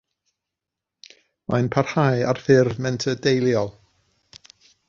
Mae'n parhau ar ffurf menter deuluol.